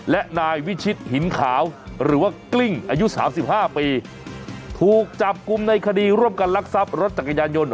และนายวิชิตหินขาวหรือว่ากลิ้งอายุ๓๕ปีถูกจับกลุ่มในคดีร่วมกันลักทรัพย์รถจักรยานยนต์